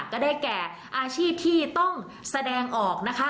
ก็ได้แก่อาชีพที่ต้องแสดงออกนะคะ